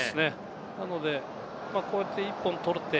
なのでこうやって１本取れて。